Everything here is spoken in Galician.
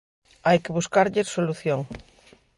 Hai que buscarlles solución.